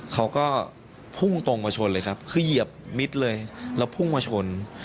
เขาก็พุ่งตรงมาชนเลยครับคือเหยียบมิดเลยแล้วพุ่งมาชน